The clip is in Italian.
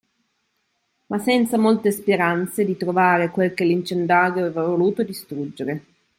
ma senza molte speranze di trovare quel che l'incendiario aveva voluto distruggere.